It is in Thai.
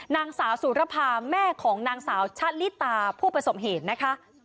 นางสาวสุรภาแม่ของนางสาวชะลิตาผู้ประสบเหตุนะคะ